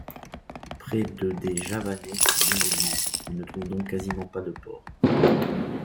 Près de des Javanais sont musulmans, on ne trouve donc quasiment pas de porc.